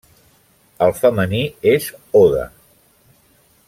El femení és Oda.